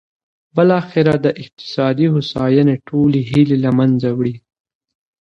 بالاخره د اقتصادي هوساینې ټولې هیلې له منځه وړي.